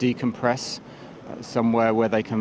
di mana mereka bisa menggabungkan diri